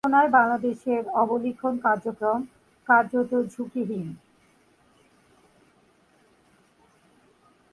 সার্বিক বিবেচনায় বাংলাদেশের অবলিখন কার্যক্রম কার্যত ঝুঁকিহীন।